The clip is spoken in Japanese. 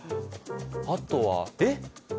あとはえっ！？